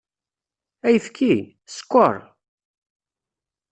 Ayefki? Sskeṛ?